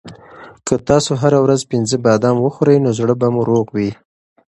که تاسو هره ورځ پنځه بادام وخورئ نو زړه به مو روغ وي.